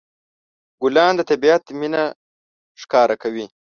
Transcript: ګلان د طبيعت مینه ښکاره کوي.